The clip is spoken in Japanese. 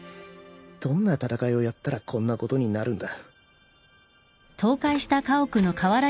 どんな戦いをやったらこんなことになるんだ。